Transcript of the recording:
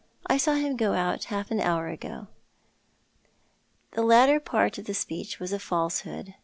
I saw him go out — half an hour ago." The latter part of the speech was a falsehood.